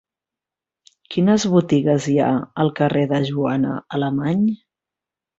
Quines botigues hi ha al carrer de Joana Alemany?